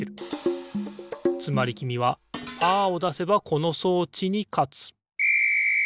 つまりきみはパーをだせばこの装置にかつピッ！